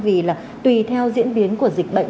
vì là tùy theo diễn biến của dịch bệnh